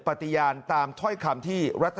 คุณสิริกัญญาบอกว่า๖๔เสียง